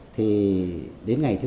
thì đến ngày thứ ba